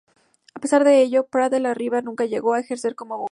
A pesar de ello, Prat de la Riba nunca llegó a ejercer como abogado.